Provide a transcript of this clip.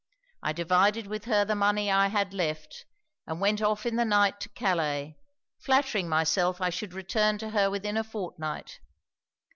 I divided with her the money I had left, and went off in the night to Calais, flattering myself I should return to her within a fortnight.